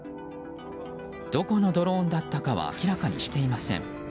どこのドローンだったかは明らかにしていません。